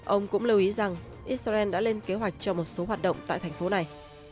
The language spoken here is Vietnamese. ông cũng lưu ý rằng israel đã lên kế hoạch cho một số hoạt động tại thành phố này